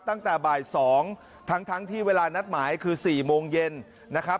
ตั้งแต่บ่าย๒ทั้งที่เวลานัดหมายคือ๔โมงเย็นนะครับ